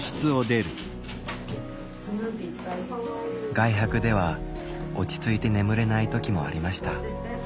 外泊では落ち着いて眠れない時もありました。